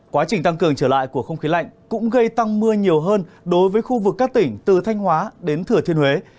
quá trình tăng cường trở lại của không khí lạnh cũng gây tăng mưa nhiều hơn đối với khu vực các tỉnh từ thanh hóa đến thừa thiên huế